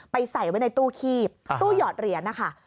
ใส่ไว้ในตู้คีบตู้หยอดเหรียญนะคะ